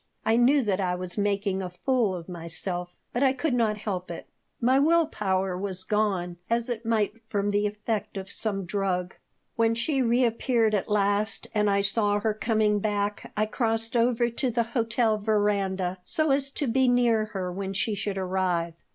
I knew that I was making a fool of myself, but I could not help it. My will power was gone as it might from the effect of some drug When she reappeared at last and I saw her coming back I crossed over to the hotel veranda so as to be near her when she should arrive.